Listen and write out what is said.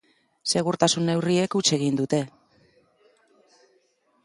Segurtasun neurriek huts egin dute.